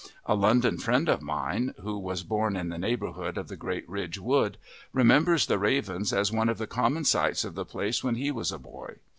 A London friend of mine, who was born in the neighbourhood of the Great Ridge Wood, remembers the ravens as one of the common sights of the place when he was a boy.